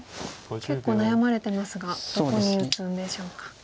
結構悩まれてますがどこに打つんでしょうか。